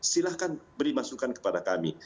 silahkan beri masukan kepada kami